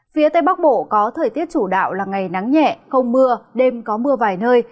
phía tây bắc bộ có thời tiết chủ đạo là ngày nắng nhẹ không mưa đêm có mưa vài nơi